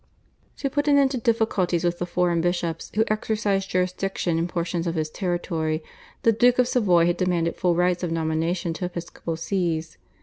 To put an end to difficulties with the foreign bishops, who exercised jurisdiction in portion of his territory, the Duke of Savoy had demanded full rights of nomination to episcopal Sees.